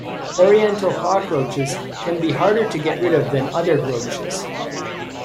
Oriental cockroaches can be harder to get rid of than other roaches.